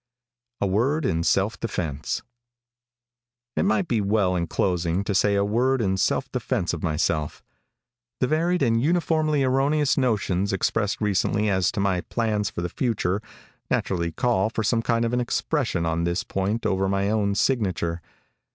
A WORD IN SELF DEFENSE. |IT might be well in closing to say a word in defense of myself. The varied and uniformly erroneous notions expressed recently as to my plans for the future, naturally call for some kind of an expression on this point over my own signature.